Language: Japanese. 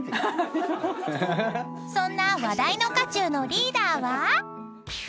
［そんな話題の渦中のリーダーは］